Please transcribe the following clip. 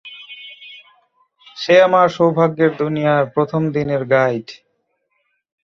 সে আমার সৌভাগ্যের দুনিয়ার প্রথম দিনের গাইড।